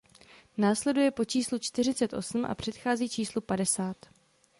Následuje po číslu čtyřicet osm a předchází číslu padesát.